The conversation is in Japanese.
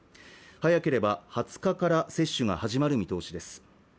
早ければ２０日から接種が始まる見通しです